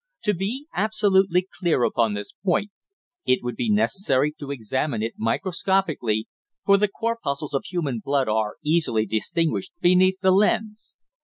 To be absolutely clear upon this point it would be necessary to examine it microscopically, for the corpuscles of human blood are easily distinguished beneath the lens.